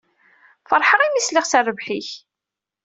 Feṛḥeɣ imi i sliɣ s rrbeḥ-ik.